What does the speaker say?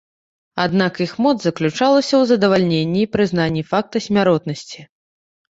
Аднак іх моц заключалася ў задавальненні і прызнанні факта смяротнасці.